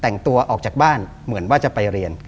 แต่งตัวออกจากบ้านเหมือนว่าจะไปเรียน